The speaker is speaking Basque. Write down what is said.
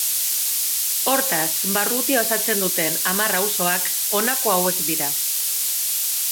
Hortaz, barrutia osatzen duten hamar auzoak honako hauek dira.